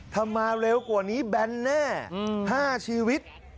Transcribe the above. ถ้ามาเร็วกว่านี้แบนแน่๕ชีวิต